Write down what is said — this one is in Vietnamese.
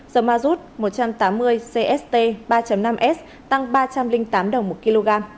dầu ma rút một trăm tám mươi cst ba năm s tăng ba trăm linh tám đồng một kg